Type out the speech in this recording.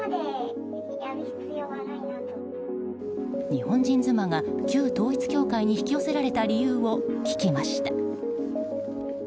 日本人妻が、旧統一教会に引き寄せられた理由を聞きました。